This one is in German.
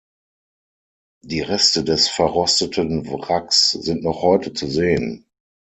Die Reste des verrosteten Wracks sind noch heute zu sehen.